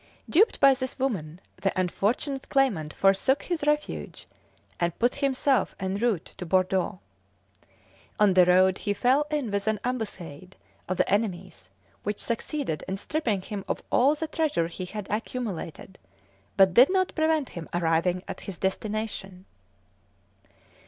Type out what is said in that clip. Duped by this woman, the unfortunate claimant forsook his refuge, and put himself en route for Bordeaux. On the road he fell in with an ambuscade of the enemy's, which succeeded in stripping him of all the treasure he had accumulated, but did not prevent him arriving at his destination.